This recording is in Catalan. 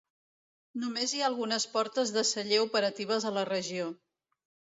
Només hi ha algunes portes de celler operatives a la regió.